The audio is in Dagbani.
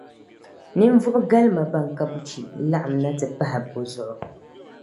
ninvuɣu galima bɛn ka buchi laɣim na ti pahi o zuɣu.